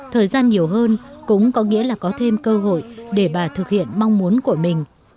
thời gian nhiều hơn cũng có nghĩa là có thêm cơ hội để bà thực hiện mong muốn của mình